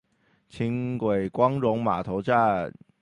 輕軌光榮碼頭站